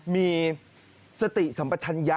มีสติสัมปัชฌญะ